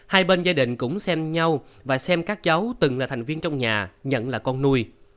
hai bên gia đình cũng xem nhau và xem các cháu từng là thành viên trong nhà nhận là con nuôi